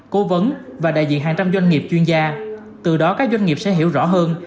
cố vấn và đại diện hàng trăm doanh nghiệp chuyên gia từ đó các doanh nghiệp sẽ hiểu rõ hơn